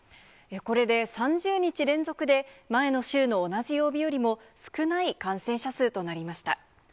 これで３０日連続で、前の週の同じ曜日よりも少ない感染者数となりました。